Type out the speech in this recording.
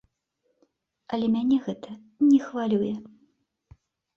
Але мяне гэта не хвалюе.